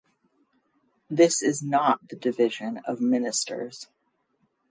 This is not the division of ministers.